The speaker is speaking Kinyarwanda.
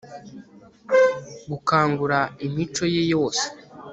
Gukangura imico ye yose